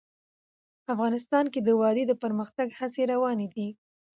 افغانستان کې د وادي د پرمختګ هڅې روانې دي.